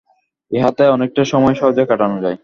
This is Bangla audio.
ইহাতে অনেকটা সময় সহজে কাটানো যায়।